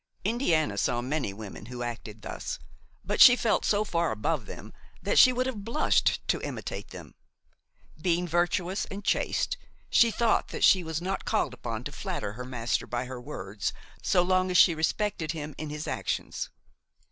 Indiana saw many women who acted thus; but she felt so far above them that she would have blushed to imitate them. Being virtuous and chaste, she thought that she was not called upon to flatter her master by her words so long as she respected him in his actions.